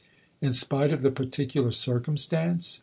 " In spite of the particular circumstance